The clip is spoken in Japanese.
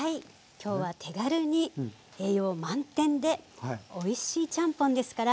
今日は手軽に栄養満点でおいしいちゃんぽんですから。